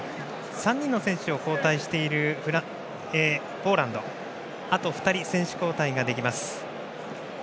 ３人の選手を交代したポーランドはあと２人、選手交代ができます。